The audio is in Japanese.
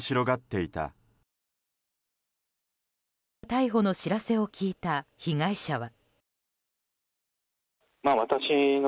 逮捕の知らせを聞いた被害者は。